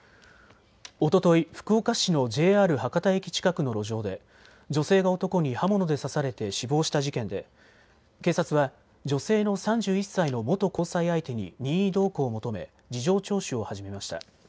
おととい福岡市のＪＲ博多駅近くの路上で女性が男に刃物で刺されて死亡した事件で警察は女性の３１歳の元交際相手に任意同行を求め事情聴取を始めました。